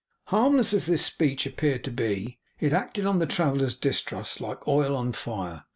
Harmless as this speech appeared to be, it acted on the traveller's distrust, like oil on fire.